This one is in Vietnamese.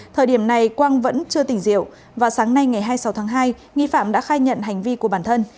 thời điểm này quang vẫn chưa tỉnh rượu và sáng nay ngày hai mươi sáu tháng hai nghi phạm đã khai nhận hành vi của bản thân